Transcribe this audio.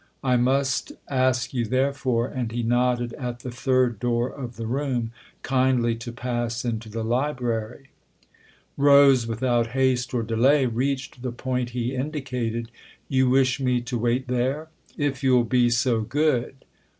I must ask you, therefore " and he nodded at the third door of the room " kindly to pass into the library." 282 THE OTHER HOUSE Rose, without haste or delay, reached the point he indicated. " You wish me to wait there ?"" If you'll be so good."